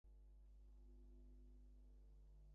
যা বিশ্বাস করে তা-ই সে দেয়ালে লেখে।